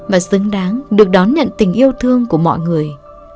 và xứng đáng được đón nhận tình yêu thương của mọi người